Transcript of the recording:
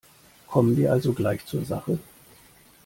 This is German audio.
Kommen wir also gleich zur Sache.